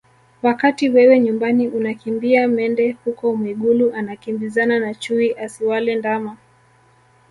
Wakati wewe nyumbani unakimbia mende huko Mwigulu anakimbizana na chui asiwale ndama